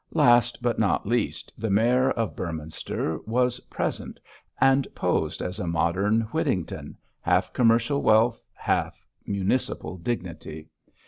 Last, but not least, the Mayor of Beorminster was present and posed as a modern Whittington half commercial wealth, half municipal dignity.